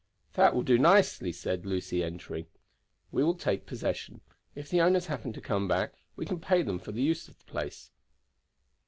"That will do nicely," Lucy said, entering. "We will take possession. If the owners happen to come back we can pay them for the use of the place."